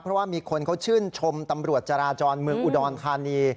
เพราะว่ามีคนเขาชื่นชมตำรวจจราจรเมืองอุดรธานี